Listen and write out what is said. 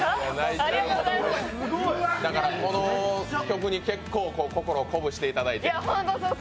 この曲に結構、心を鼓舞していただいて、助けられた？